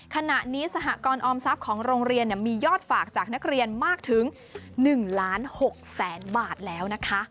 ขณะนี้สหกรออมทรัพย์ของโรงเรียนมียอดฝากจากนักเรียนมากถึง๑ล้าน๖แสนบาทแล้วนะคะ